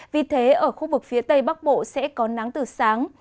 vì thế ở khu vực phía tây bắc bộ sẽ có nắng từ sáng